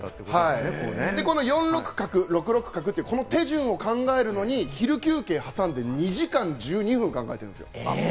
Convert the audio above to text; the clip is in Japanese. ４六角、６六角という、この手順を考えるのに昼休憩を挟んで２時間１２分考えてるんです。